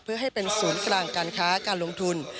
เพื่อให้เป็นศูนย์กลางการค้าการลงทุน